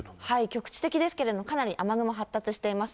曲知的ですけれども、かなり雨雲発達しています。